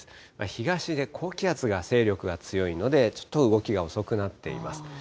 東で高気圧が勢力が強いので、ちょっと動きが遅くなっています。